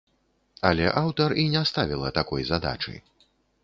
Але аўтар і не ставіла такой задачы.